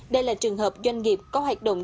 đây là trường hợp doanh nghiệp có hoạt động